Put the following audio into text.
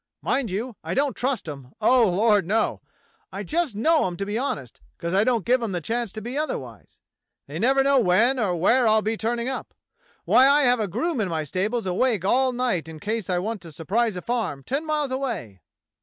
"Mind you I don't trust 'em, oh, Lord, no; I just know 'em to be honest, because I don't give 'em the chance to be otherwise. They never know when or where I'll be turning up. Why, I have a groom in my stables awake all night in case I want to surprise a farm ten miles away.